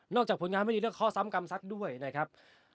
จากผลงานไม่มีเรื่องข้อซ้ำกรรมซักด้วยนะครับ